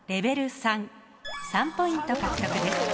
１ポイント獲得です。